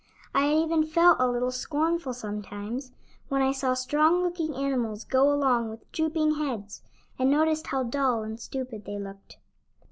I had even felt a little scornful sometimes when I saw strong looking animals go along with drooping heads, and noticed how dull and stupid they looked.